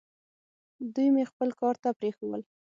دوی مې خپل کار ته پرېښوول.